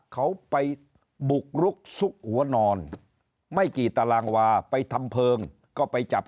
เขาไปบุกรุกซุกหัวนอนไม่กี่ตารางวาไปทำเพลิงก็ไปจับ